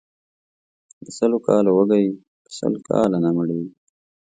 د سلو کالو وږى ، په سل کاله نه مړېږي.